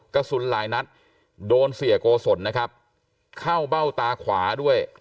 กระสุนหลายนัดโดนเสียโกศลนะครับเข้าเบ้าตาขวาด้วย